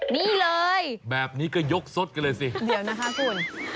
นี่เลยแบบนี้ก็ยกสดกันเลยสิเดี๋ยวนะคะคุณ